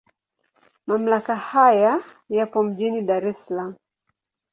Mamlaka haya yapo mjini Dar es Salaam.